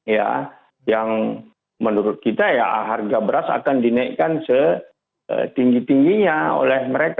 ya yang menurut kita ya harga beras akan dinaikkan setinggi tingginya oleh mereka